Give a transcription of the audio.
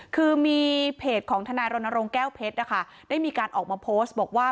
คือมีเพจของทนายรณรงค์แก้วเพชรนะคะได้มีการออกมาโพสต์บอกว่า